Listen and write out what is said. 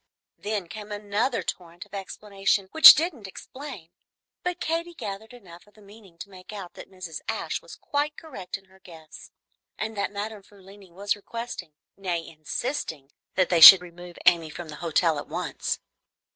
Then came another torrent of explanation which didn't explain; but Katy gathered enough of the meaning to make out that Mrs. Ashe was quite correct in her guess, and that Madame Frulini was requesting, nay, insisting, that they should remove Amy from the hotel at once.